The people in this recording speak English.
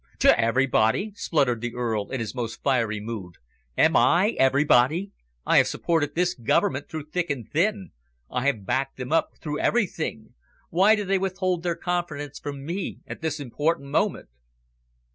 "To everybody?" spluttered the Earl, in his most fiery mood. "Am I everybody? I have supported this Government through thick and thin. I have backed them up through everything. Why do they withhold their confidence from me, at this important moment?"